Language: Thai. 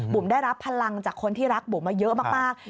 ได้รับพลังจากคนที่รักบุ๋มมาเยอะมาก